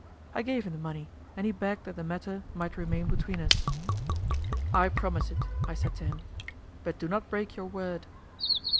I gave him the money, and he begged that the matter, might remain between us. "I promise it," I said to him, "but do not break your word."